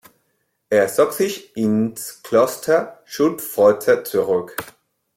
Er zog sich ins Kloster Schulpforte zurück.